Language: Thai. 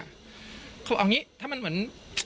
คือเอาอย่างนี้ถ้ามันเหมือน